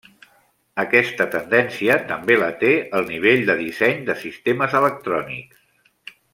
Aquesta tendència també la té el nivell de disseny de sistemes electrònics.